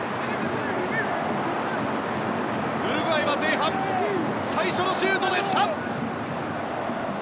ウルグアイは前半最初のシュートでした！